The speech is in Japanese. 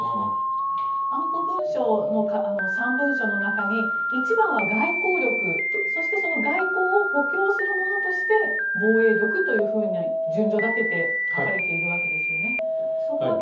安保文書の３文書の中に一番は外交力そして、その外交を補強するものとして防衛力というふうに順序立てて書かれているわけですよね。